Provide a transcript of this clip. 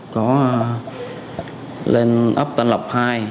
có lên ấp tăng lọc hai